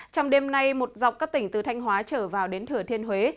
trong đêm nay một dọc các tỉnh từ thanh hóa trở vào đến thừa thiên huế